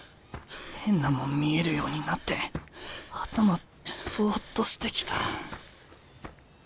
変なもん見えるようになって頭ボッとしてきた。